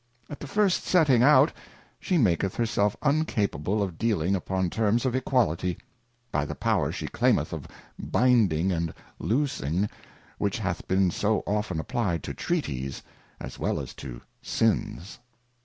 At the first setting out, she maketh her self uncapable of dealing upon terms of Equality, by the Power she claimeth of binding and loosing, which hath been so often applyed to Treaties, as well as to Sins.